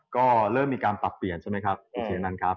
ก็เริ่มมีการปรับเปลี่ยนใช่ไหมครับโอเคนั้นครับ